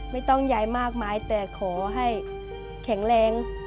ไม่ต้องย้ายมากมายแต่ขอให้แข็งแรง